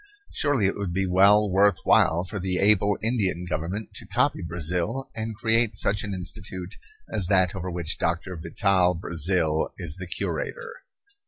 Surely it would be well worth while for the able Indian Government to copy Brazil and create such an institute as that over which Doctor Vital Brazil is the curator.